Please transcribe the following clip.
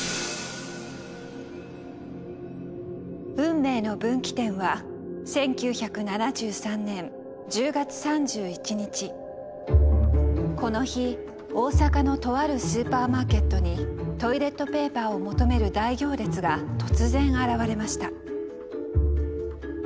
運命の分岐点はこの日大阪のとあるスーパーマーケットにトイレットペーパーを求める大行列が突然現れました。